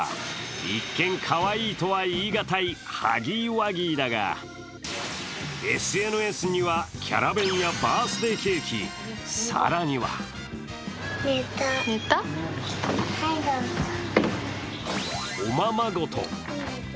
一見、かわいいとは言いがたいハギーワギーだがＳＮＳには、キャラ弁やバースデーケーキ、更にはおままごと。